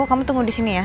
kamu tunggu di sini ya